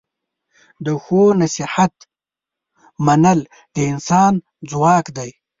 د ښو نصیحت منل د انسان ځواک دی.